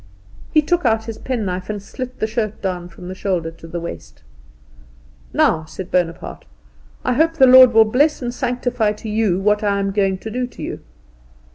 He took out his penknife, and slit the shirt down from the shoulder to the waist. "Now," said Bonaparte, "I hope the Lord will bless and sanctify to you what I am going to do to you."